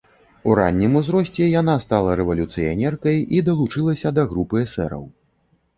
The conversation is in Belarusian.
У раннім узросце яна стала рэвалюцыянеркай і далучылася да групы эсэраў.